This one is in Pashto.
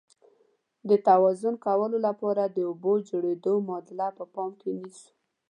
د توازن کولو لپاره د اوبو د جوړیدو معادله په پام کې نیسو.